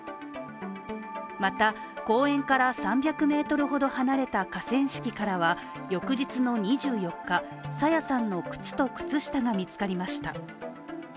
また、公園から３００ｍほど離れた河川敷からは翌日の２４日、朝芽さんの靴と靴下が見つかりました。